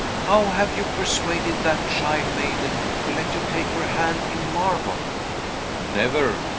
How have you persuaded that shy maiden to let you take her hand in marble?" "Never!